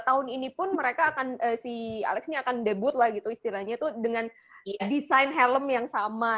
tahun ini pun mereka akan si alex ini akan debut lah gitu istilahnya tuh dengan desain helm yang sama